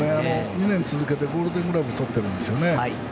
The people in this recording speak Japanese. ２年続けてゴールデン・グローブとっているんですよね。